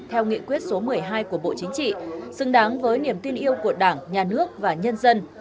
theo nghị quyết số một mươi hai của bộ chính trị xứng đáng với niềm tin yêu của đảng nhà nước và nhân dân